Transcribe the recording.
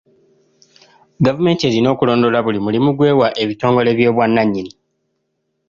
Gavumenti erina okulondoola buli mulimu gw'ewa ebitongole by'obwannannyini.